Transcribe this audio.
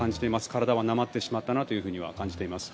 体はなまってしまったなと感じています。